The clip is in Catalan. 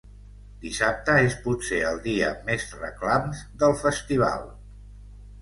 Dissabte és potser el dia amb més reclams del festival.